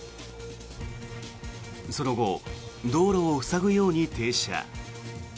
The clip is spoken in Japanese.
その後、道路を塞ぐように停車。